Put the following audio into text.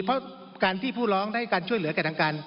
เพราะการที่ผู้ร้องได้ให้การช่วยเหลือแก่ทางการ